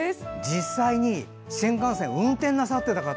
実際に新幹線を運転なさってた方。